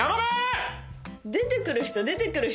出て来る人出て来る人